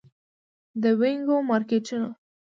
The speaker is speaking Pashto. د وینګو مارکیټونه